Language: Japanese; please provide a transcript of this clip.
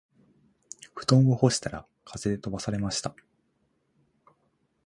布団を干したら風で飛ばされました